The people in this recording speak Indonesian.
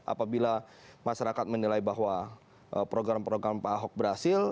apabila masyarakat menilai bahwa program program pak ahok berhasil